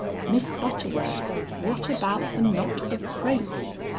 Miss Butterworth, what about the knot of crape?